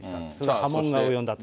波紋が及んだとい